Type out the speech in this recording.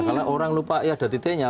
kalau orang lupa ya ada titiknya